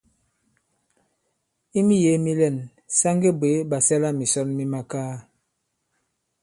I miyēē mi lɛ̂n, sa ŋge bwě ɓàsɛlamìsɔn mi makaa.